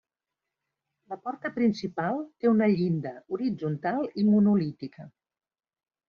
La porta principal té una llinda horitzontal i monolítica.